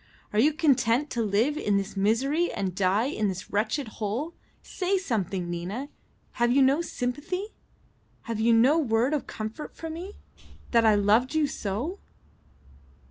"Are you content to live in this misery and die in this wretched hole? Say something, Nina; have you no sympathy? Have you no word of comfort for me? I that loved you so."